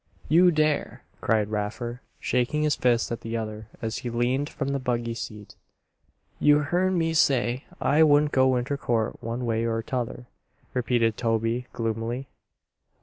"You dare!" cried Raffer, shaking his fist at the other as he leaned from the buggy seat. "You hearn me say I wouldn't go inter court one way or 'tother," repeated Toby, gloomily.